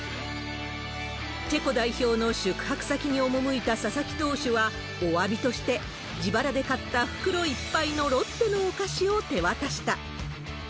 チェコ代表の宿泊先に赴いた佐々木投手は、おわびとして、自腹で買った袋いっぱいのロッテのお菓子を手渡した。